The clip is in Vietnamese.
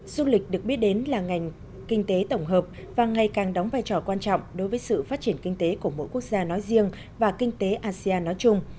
du lịch được biết đến là ngành kinh tế tổng hợp và ngày càng đóng vai trò quan trọng đối với sự phát triển kinh tế của mỗi quốc gia nói riêng và kinh tế asean nói chung